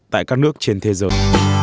tại các nước trên thế giới